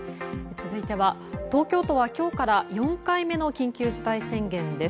続いては東京都は今日から４回目の緊急事態宣言です。